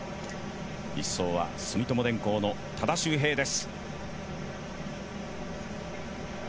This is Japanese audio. １走は住友電工の多田修平です。